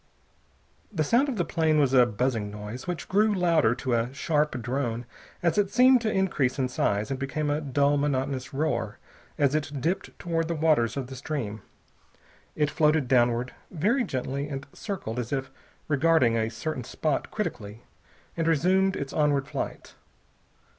The sound of the plane was a buzzing noise, which grew louder to a sharp drone as it seemed to increase in size, and became a dull monotonous roar as it dipped toward the waters of the stream. It floated downward, very gently, and circled as if regarding a certain spot critically, and resumed its onward flight.